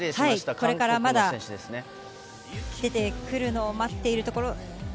これから出てくるのを待っているところ。